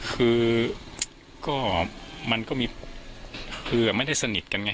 คือก็มันก็มีคือไม่ได้สนิทกันไง